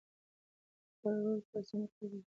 خپل رول په سمه توګه ادا کړئ.